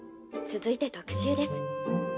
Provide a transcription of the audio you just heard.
「続いて特集です。